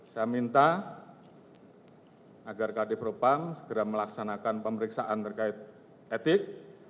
saya minta agar kd propam segera melaksanakan pemeriksaan terkait etik